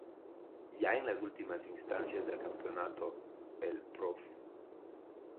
Ya en las últimas instancias del campeonato el Prof.